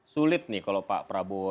sulit nih kalau pak prabowo